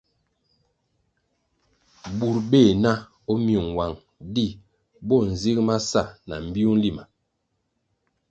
Bur beh na o myung nwang, di bo nzig ma sa na mbpiu nlima.